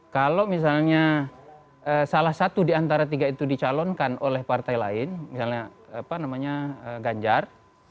kalau misalnya salah satu diantara tiga itu dicalonkan oleh partai lain misalnya gadjar